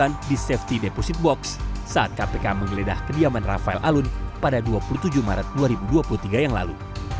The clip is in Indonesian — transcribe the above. yang di safety deposit box saat kpk menggeledah kediaman rafael alun pada dua puluh tujuh maret dua ribu dua puluh tiga yang lalu